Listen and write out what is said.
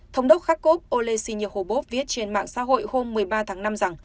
thống đốc kharkov olesynyi hobov viết trên mạng xã hội hôm một mươi ba tháng năm rằng